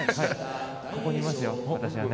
ここにいますよ、私はね。